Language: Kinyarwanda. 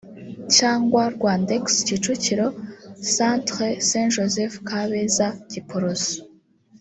cyangwa Rwandex-Kicukiro Centre- St Joseph Kabeza-Giporoso